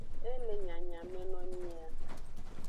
E le nyanyameno mia.